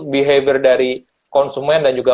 behavior dari konsumen dan juga